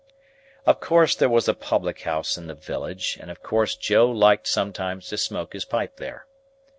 Of course there was a public house in the village, and of course Joe liked sometimes to smoke his pipe there.